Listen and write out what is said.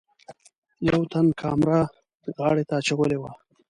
یوه تن کامره غاړې ته اچولې وه.